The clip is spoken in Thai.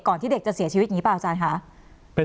ที่เด็กจะเสียชีวิตอย่างนี้เปล่าอาจารย์คะ